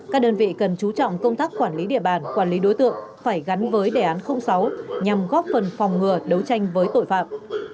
các đơn vị cần chú trọng công tác quản lý địa bàn quản lý đối tượng phải gắn với đề án sáu nhằm góp phần phòng ngừa đấu tranh với tội phạm